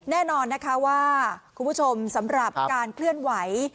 แน่นอนนะคะว่าคุณผู้ชมสำหรับการเคลื่อนไหว